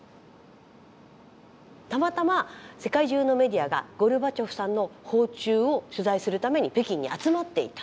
たまたま世界中のメディアがゴルバチョフさんの訪中を取材するために北京に集まっていた。